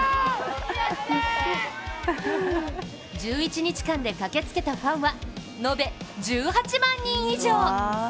１１日間で駆けつけたファンは延べ１８万人以上！